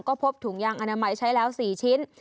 ก็พบถุงยางอนามัยใช้แล้ว๔ชิ้น